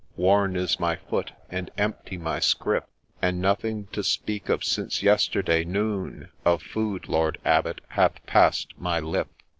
Worn is my foot, and empty my scrip ; And nothing to speak of since yesterday noon Of food, Lord Abbot, hath pass'd my lip.